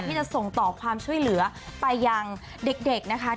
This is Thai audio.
ที่จะส่งต่อความช่วยเหลือไปยังเด็กนะคะ